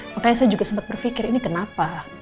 makanya saya juga sempat berpikir ini kenapa